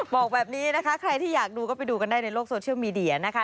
บอกแบบนี้นะคะใครที่อยากดูก็ไปดูกันได้ในโลกโซเชียลมีเดียนะคะ